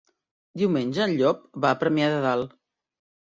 Diumenge en Llop va a Premià de Dalt.